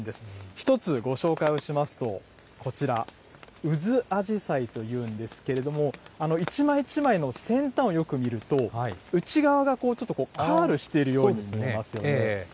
１つご紹介をしますと、こちら、ウズアジサイというんですけれども、一枚一枚の先端をよく見ると、内側がちょっとこう、カールしているように見えますよね。